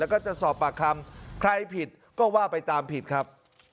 แล้วก็จะสอบปากคำใครผิดก็ว่าไปตามผิดครับ